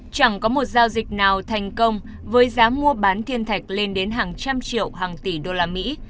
chẳng có một giao dịch nào thành công với giá mua bán thiên thạch lên đến hàng trăm triệu hàng tỷ đô la mỹ